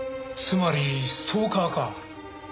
つまりストーカーか。